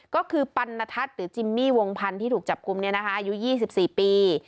ก็คือปันนทัศน์หรือจิมมี่วงพันธุ์ที่ถูกจับกลุ่มเนี่ยนะคะอายุยี่สิบสี่ปี